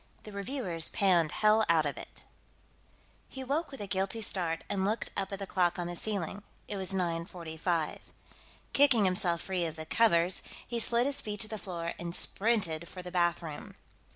The Reviewers Panned Hell Out of It He woke with a guilty start and looked up at the clock on the ceiling; it was 0945. Kicking himself free of the covers, he slid his feet to the floor and sprinted for the bathroom.